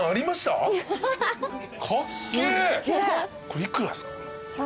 これ幾らですか？